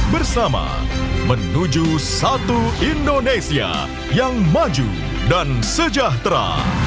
bersama menuju satu indonesia yang maju dan sejahtera